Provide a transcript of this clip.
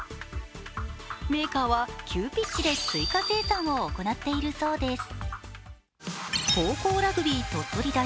メーカーは急ピッチで追加生産を行っているそうです。